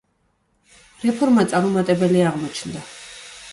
რეფორმა წარუმატებელი აღმოჩნდა.